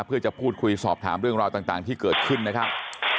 เพื่อจะพูดคุยสอบถามเรื่องราวต่างที่เกิดขึ้นนะครับ